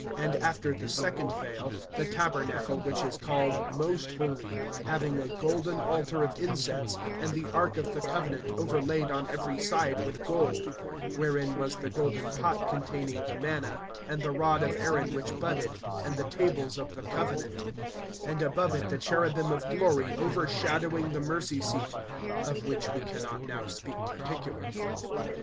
(3)And after the second vail, the tabernacle which is called most holy, (4)having a golden altar of incense, and the ark of the covenant overlaid on every side with gold, wherein was the golden pot containing the manna, and the rod of Aaron which budded, and the tables of the covenant; (5)and above it the cherubim of glory overshadowing the mercy seat; of which we can not now speak particularly.